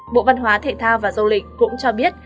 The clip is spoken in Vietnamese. bộ văn hóa thể thao và dâu lĩnh cũng cho biết